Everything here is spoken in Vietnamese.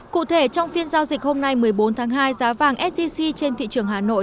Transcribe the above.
cụ thể trong phiên giao dịch hôm nay một mươi bốn tháng hai giá vàng sgc trên thị trường hà nội